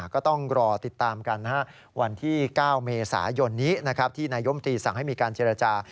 ก็ต้องรอติดตามกันวันที่๙เมษายนนี้ที่นายมตรีสั่งให้มีการเจรจา